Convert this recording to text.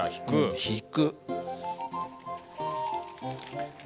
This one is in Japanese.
「引く」。